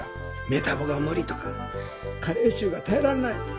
メタボが無理とか加齢臭が耐えられない！とか。